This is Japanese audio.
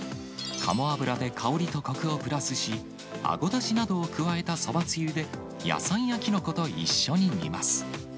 カモ脂で香りとこくをプラスし、あごだしなどを加えたそばつゆで、野菜やキノコと一緒に煮ます。